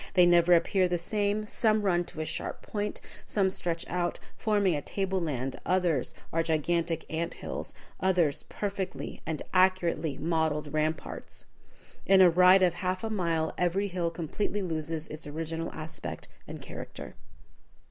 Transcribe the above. They never appear the same; some run to a sharp point, some stretch out, forming a table land, others are gigantic ant hills, others perfect and accurately modelled ramparts. In a ride of half a mile, every hill completely loses its original aspect and character.